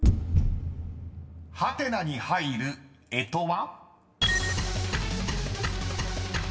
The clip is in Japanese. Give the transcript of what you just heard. ［ハテナに入る干支は？］